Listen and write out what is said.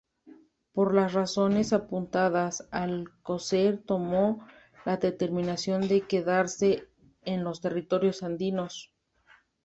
Por las razones apuntadas, Alcocer tomó la determinación de quedarse en los territorios andinos.